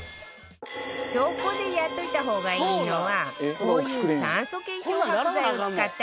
そこでやっといた方がいいのはこういう酸素系漂白剤を使ったオキシ漬け